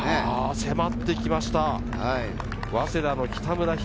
迫ってきました早稲田・北村光。